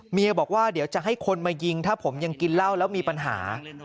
บอกว่าเดี๋ยวจะให้คนมายิงถ้าผมยังกินเหล้าแล้วมีปัญหา